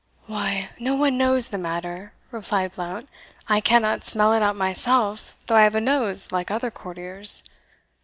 "Why, no one knows the matter," replied Blount; "I cannot smell it out myself, though I have a nose like other courtiers.